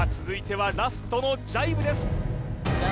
続いてはラストのジャイブです